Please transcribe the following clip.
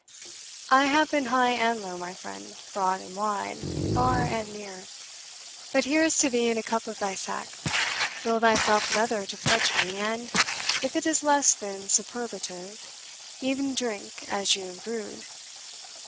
"I have been high and low, my friend, broad and wide, far and near. But here is to thee in a cup of thy sack; fill thyself another to pledge me, and, if it is less than superlative, e'en drink as you have brewed."